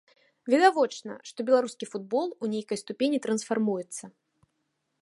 Відавочна, што беларускі футбол у нейкай ступені трансфармуецца.